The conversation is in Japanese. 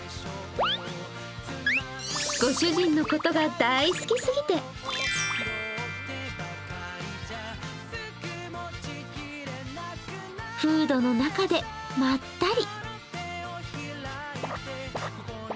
ご主人のことが大好きすぎてフードの中でまったり。